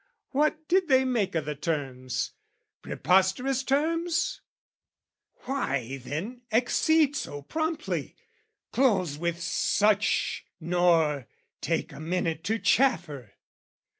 What did they make o' the terms? Preposterous terms? Why then accede so promptly, close with such Nor take a minute to chaffer?